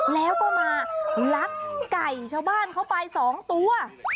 แล้วก็มาลักไก่ชาวบ้านเขาไป๒ตัว